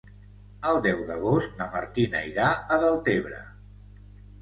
El deu d'agost na Martina irà a Deltebre.